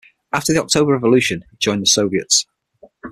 After the October Revolution, he joined the Soviets.